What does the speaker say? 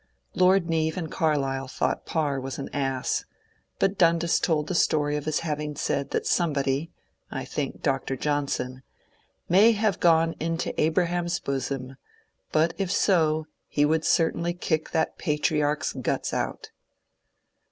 Lord Neave and Carlyle thought Parr an ass ; but Dundas told the story of his having said that somebody (I think Dr. Johnson) '^ may have gone to Abraham's bosom, but if so he would certainly kick that patriarch's guts out."